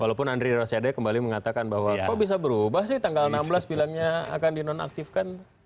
walaupun andri rosiade kembali mengatakan bahwa kok bisa berubah sih tanggal enam belas bilangnya akan dinonaktifkan